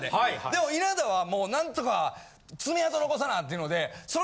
でも稲田はもう何とか爪痕残さなっていうので。